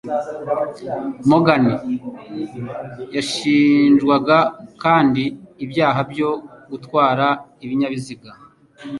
Morgan yashinjwaga kandi ibyaha byo gutwara ibinyabiziga